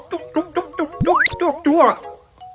จกจัวกจัวก